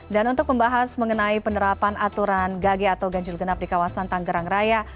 dan untuk membahas mengenai penerapan aturan gage atau ganjil genap di kawasan tanggerang raya